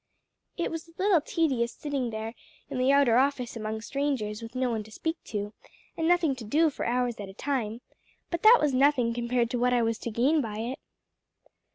"It was a little tedious sitting there in the outer office among strangers with no one to speak to, and nothing to do for hours at a time, but that was nothing compared to what I was to gain by it."